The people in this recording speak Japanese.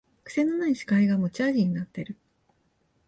くせのない司会が持ち味になってる